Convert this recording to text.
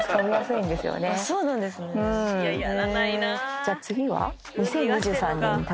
じゃあ次は。